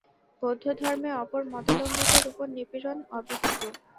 বৌদ্ধধর্মে অপর মতাবলম্বীদের উপর নিপীড়ন অবিদিত।